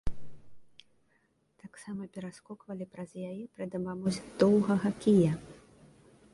Таксама пераскоквалі праз яе пры дапамозе доўгага кія.